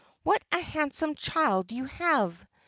"What a handsome child you have!